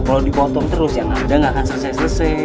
kalau dipotong terus yang nangisnya gak akan selesai selesai